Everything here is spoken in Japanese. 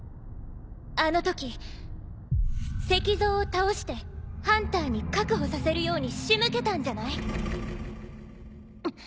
あのとき石像を倒してハンターに確保させるように仕向けたんじゃない？